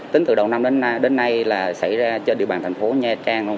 tính từ đầu năm đến nay xảy ra trên địa bàn tp nha trang